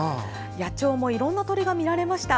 野鳥もいろんな鳥が見られました。